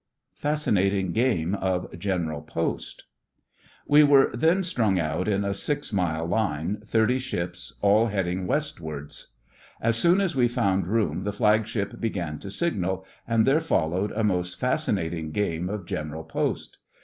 FASCINATING GAME OF GENERAL POST We were then strung out in a six mile line, thirty ships, all heading Westwards. As soon as we found room the Flagship began to signal, and there followed a most fascinating game of general post.